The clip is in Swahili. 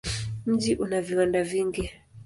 Mji una viwanda vingi.